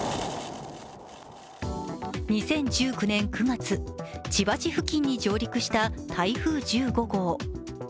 ２０１９年９月千葉市付近に上陸した台風１５号。